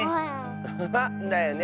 アハハだよね。